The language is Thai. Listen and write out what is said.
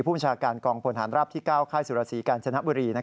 ผู้ชาวการกองผลฐานรับที่๙ค่ายสุรสีการชนะบุรี